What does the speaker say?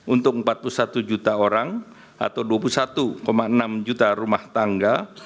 untuk empat puluh satu juta orang atau dua puluh satu enam juta rumah tangga